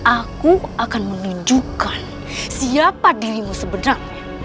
aku akan menunjukkan siapa dirimu sebenarnya